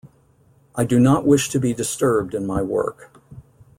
I do not wish to be disturbed in my work.